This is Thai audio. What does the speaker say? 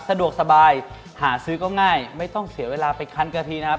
สะดวกสบายหาซื้อก็ง่ายไม่ต้องเสียเวลาไปคันกะทินะครับ